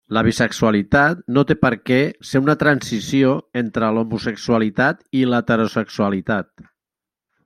La bisexualitat no té per què ser una transició entre l'homosexualitat i l'heterosexualitat.